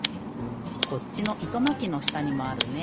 こっちのいとまきのしたにもあるね。